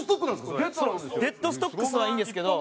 デッドストックスはいいんですけど。